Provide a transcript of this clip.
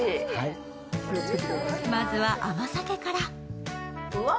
まずは甘酒から。